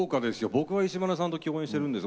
僕は石丸さんと共演してるんです。